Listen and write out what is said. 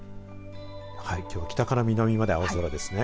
きょうは北から南まで青空ですね。